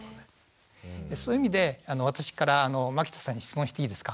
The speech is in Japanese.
そういう意味で私から牧田さんに質問していいですか？